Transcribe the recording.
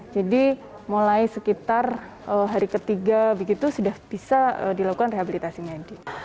jadi mulai sekitar hari ketiga begitu sudah bisa dilakukan rehabilitasi medik